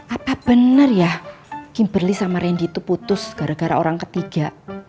apa benar ya kimberly sama randy itu putus gara gara orang ketiga